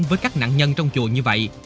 với các nạn nhân trong chùa như vậy